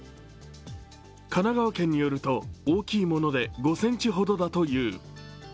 神奈川県によると大きいもので５ｃｍほどだという。